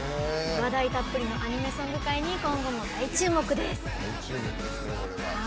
話題たっぷりのアニメソング界に今後も大注目です。